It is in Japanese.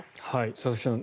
佐々木さん